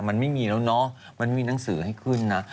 มันไม่มีแล้วเนอะมันไม่มีหนังสือให้ขึ้นนะ